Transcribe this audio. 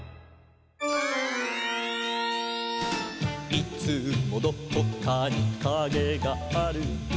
「いつもどこかにカゲがある」